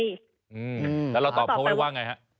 แล้วเราตอบเขาไว้ว่าไงฮะ